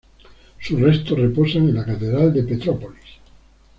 Sus restos reposan en la catedral de Petrópolis.